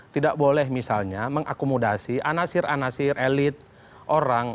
tidak boleh misalnya mengakomodasi anasir anasir elit orang